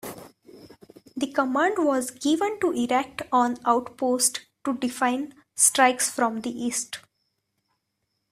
The command was given to erect an outpost to defend strikes from the east.